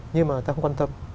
nhưng mà ta không quan tâm